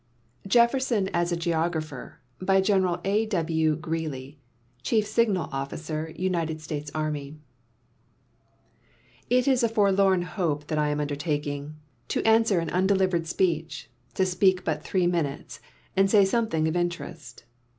JEFFERSON AS A GEOGRAPHER By General A. W. Greely, Chief Signal Officer, Eniled Slates Armij It is a forlorn liope that I am undertaking, to answer an unde livered si)ccch, to speak but three minutes, and to say something of interest.